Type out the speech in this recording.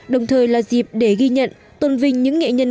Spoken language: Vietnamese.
đồng thời là dịp để ghi nhận tôn vinh những nghệ nhân có khả năng